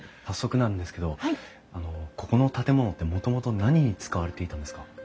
早速なんですけどここの建物ってもともと何に使われていたんですか？